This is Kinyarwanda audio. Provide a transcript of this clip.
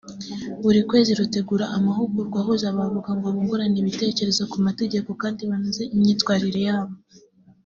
buri kwezi rutegura amahugurwa ahuza abavoka ngo bungurane ibitekerezo ku mategeko kandi banoze imyitwarire yabo